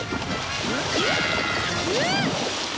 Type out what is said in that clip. えっ！？